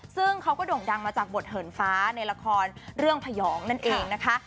ซึ่งเขาก็โด่งดังมาจากบทเหินฟ้าในละครเรื่องพยองนั่นเองนะคะ